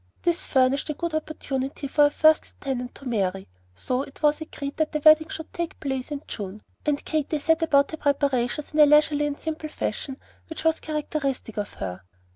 This furnished a good opportunity for her first lieutenant to marry; so it was agreed that the wedding should take place in June, and Katy set about her preparations in the leisurely and simple fashion which was characteristic of her.